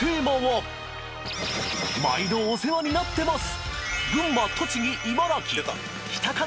毎度お世話になってます！